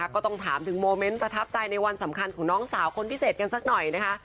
ก็ต้องถามถึงโมเมนต์ประทับใจในวันสำคัญของน้องสาวคนพิเศษกันสักหน่อยนะคะ